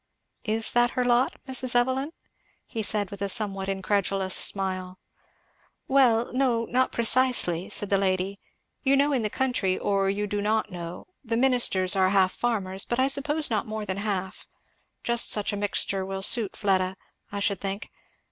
"Is that her lot, Mrs. Evelyn?" he said with a somewhat incredulous smile. "Why no not precisely, " said the lady, "you know in the country, or you do not know, the ministers are half farmers, but I suppose not more than half; just such a mixture as will suit Fleda, I should think.